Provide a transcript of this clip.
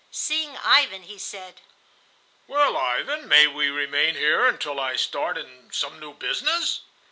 Seeing Ivan, he said: "Well, Ivan, may we remain here until I start in some new business?"